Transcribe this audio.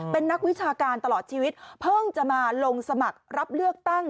เป็นนักวิชาการตลอดชีวิตเพิ่งจะมาลงสมัครรับเลือกตั้ง